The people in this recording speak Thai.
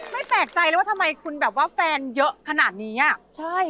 ไม่แปลกใจเลยว่าทำไมคุณแบบว่าแฟนเยอะขนาดนี้อ่ะใช่